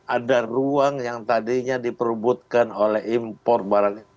ada ruang yang tadinya diperubutkan oleh impor barang